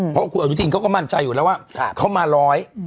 เพราะอันทุษฎีก็มั่นใจว่าเขามาล้อย